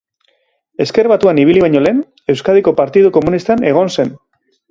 Ezker Batuan ibili baino lehen, Euskadiko Partidu Komunistan egon zen.